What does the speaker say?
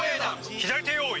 左手用意！